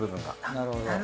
なるほど。